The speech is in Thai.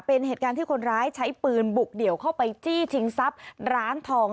เป็นเหตุการณ์ที่คนร้ายใช้ปืนบุกเดี่ยวเข้าไปจี้ชิงทรัพย์ร้านทอง